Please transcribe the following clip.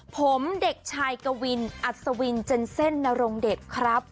ผมเด็กชายกวินอัศวินเจนเซ่นนรงเดชครับ